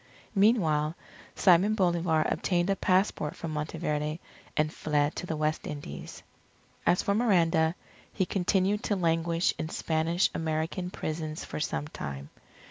Meanwhile, Simon Bolivar obtained a passport from Monteverde and fled to the West Indies. As for Miranda, he continued to languish in Spanish American prisons for some time.